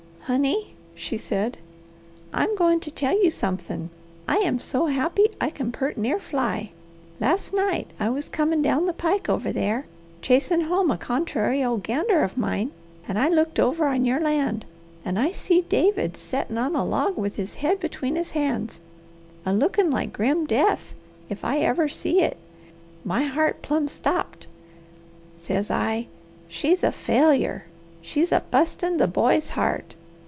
"Honey," she said, "I'm goin' to tell you somethin'. I am so happy I can purt near fly. Last night I was comin' down the pike over there chasin' home a contrary old gander of mine, and I looked over on your land and I see David settin' on a log with his head between his hands a lookin' like grim death, if I ever see it. My heart plum stopped. Says I, 'she's a failure! She's a bustin' the boy's heart!